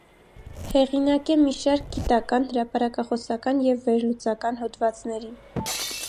Հեղինակ է մի շարք գիտական, հրապարակախոսական և վերլուծական հոդվածների։